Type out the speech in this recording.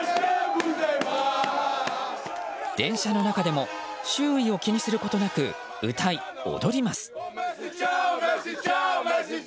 電車の中でも周囲を気にすることなく歌い踊ります。